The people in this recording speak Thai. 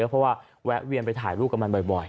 เพราะว่าแวะเวียนไปถ่ายรูปกับมันบ่อย